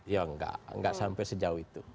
ya enggak enggak sampai sejauh itu